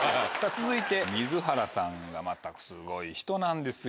続いて水原さんがまたすごい人なんですよ。